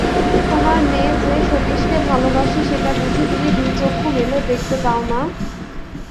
তোমার মেয়ে যে সতীশকে ভালোবাসে সেটা বুঝি তুমি দুই চক্ষু মেলে দেখতে পাও না!